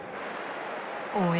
応援